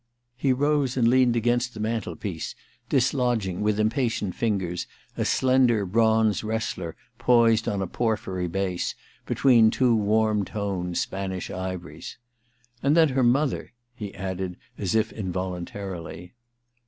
* He rose and leaned against the mantelpiece, dislodging with impatient fingers a slender bronze wrestler poised on a porphyry base, between two warm toned Spanish ivories. *And then her mother ' he added, as if involuntarily.